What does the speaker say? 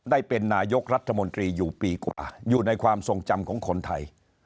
ได้เป็นนายกรัฐมนตรีอยู่ปีกว่าอยู่ในความทรงจำของคนไทย